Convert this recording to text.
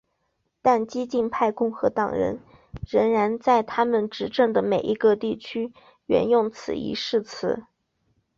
但激进派共和党人仍然在他们执政的每一个地区援用此一誓词。